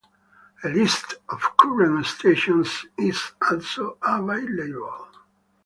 A list of current stations is also available.